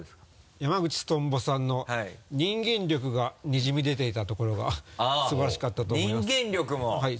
山口トンボさんの人間力がにじみ出ていた所が素晴らしかったと思います。